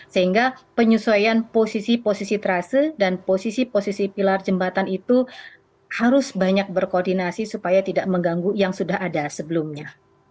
sehingga penyesuaian posisi posisi trase dan posisi posisi pilar jembatan itu harus banyak berkoordinasi supaya tidak mengganggu yang sudah ada sebelumnya